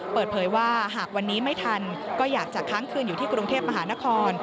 เปิดเผยว่าหากวันนี้ไม่ทันก็อยากจะค้างคืนอยู่ที่กรุงเทพมหานคร